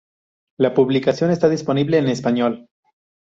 La publicación está disponible en español.